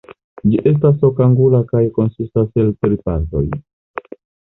Ĝi estas okangula kaj konsistas el tri partoj.